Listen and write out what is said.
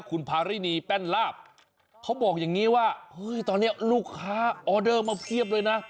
คุณพารินีแป้นลาบเขาบอกอย่างนี้ว่าเฮ้ยตอนนี้ลูกค้าออเดอร์มาเพียบเลยนะ